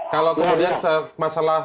kalau kemudian masalah